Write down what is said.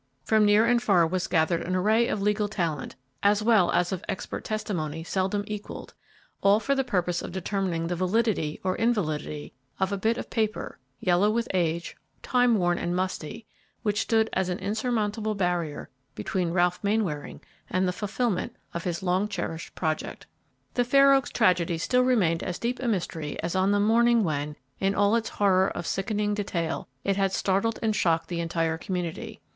From near and far was gathered an array of legal talent as well as of expert testimony seldom equalled, all for the purpose of determining the validity or invalidity of a bit of paper yellow with age, time worn and musty which stood as an insurmountable barrier between Ralph Mainwaring and the fulfilment of his long cherished project. The Fair Oaks tragedy still remained as deep a mystery as on the morning when, in all its horror of sickening detail, it had startled and shocked the entire community.